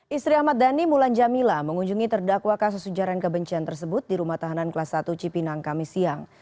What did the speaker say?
istri ahmad dhani mulan jamila mengunjungi terdakwa kasus ujaran kebencian tersebut di rumah tahanan kelas satu cipinang kami siang